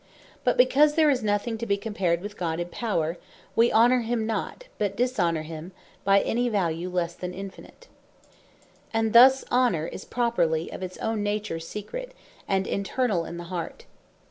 But because there is nothing to be compared with God in Power; we Honor him not but Dishonour him by any Value lesse than Infinite. And thus Honor is properly of its own nature, secret, and internall in the heart.